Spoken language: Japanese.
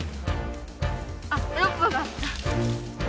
あっロープがあった。